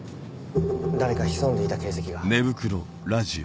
誰か潜んでいた形跡が。